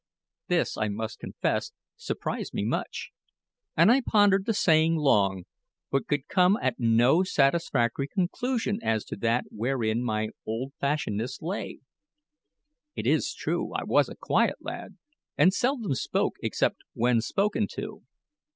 This, I must confess, surprised me much; and I pondered the saying long, but could come at no satisfactory conclusion as to that wherein my old fashionedness lay. It is true I was a quiet lad, and seldom spoke except when spoken to.